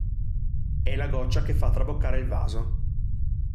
È la goccia che fa traboccare il vaso.